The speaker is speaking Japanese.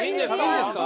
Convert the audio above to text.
いいんですか？